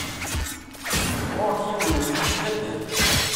Ɣur-k yiwen n udlis d adal.